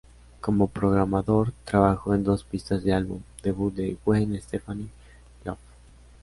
Como programador trabajó en dos pistas del álbum debut de Gwen Stefani, "Love.